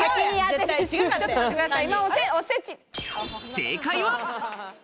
正解は。